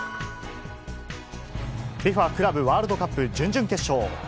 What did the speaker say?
ＦＩＦＡクラブワールドカップ準々決勝。